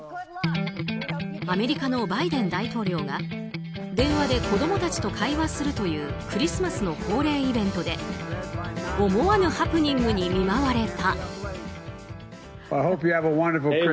アメリカのバイデン大統領が電話で子供たちと会話するというクリスマスの恒例イベントで思わぬハプニングに見舞われた。